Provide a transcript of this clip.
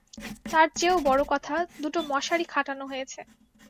তার চেয়েও বড় কথা-দুটো মশারি খাটানো হয়েছে।